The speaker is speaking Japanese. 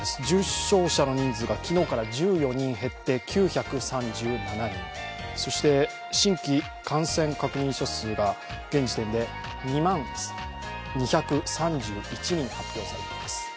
重症者の人数が昨日から１４人減って９３７人、そして新規感染確認者数が現時点で２万２３１人発表されています。